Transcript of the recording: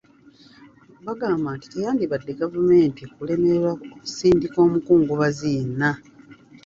Bagamba nti teyandibadde gavumenti kulemererwa okusindika omukungubazi yenna.